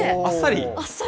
あっさり。